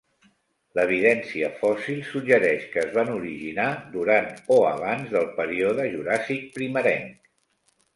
L'evidència fòssil suggereix que es van originar durant o abans del període Juràssic primerenc.